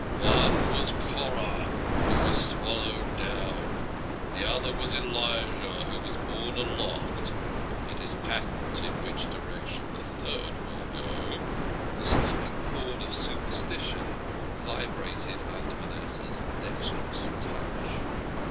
One was Korah, who was swallowed down, the other was Elijah, who HE HISSED." was borne aloft. It is patent in which direction the third will go." The sleeping chord of superstition vibrated under Manas seh's dexterous touch.